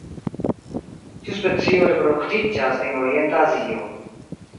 Tiu specio reproduktiĝas en orienta Azio.